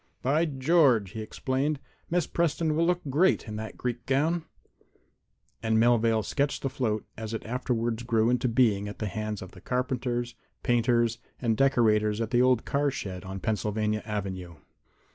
"By George!" he exclaimed. "Miss Preston will look great in that Greek gown." And Melvale sketched the float as it afterward grew into being at the hands of carpenters, painters and decorators at the old car shed on Pennsylvania avenue.